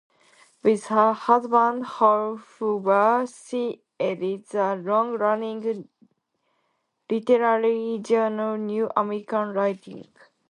With her husband, Paul Hoover, she edits the long-running literary journal "New American Writing".